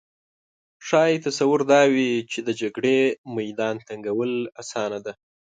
ښايي تصور دا وي چې د جګړې میدان تنګول اسانه ده